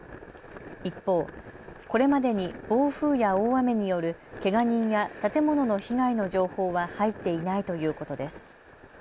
一方、これまでに暴風や大雨によるけが人や建物の被害の情報は入っていないということです。